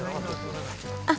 あっ！